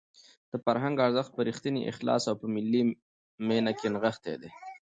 د فرهنګ ارزښت په رښتیني اخلاص او په ملي مینه کې نغښتی دی.